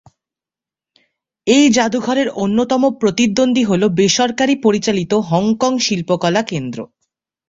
এই জাদুঘরের অন্যতম প্রতিদ্বন্দ্বী হলো বেসরকারী-পরিচালিত হংকং শিল্পকলা কেন্দ্র।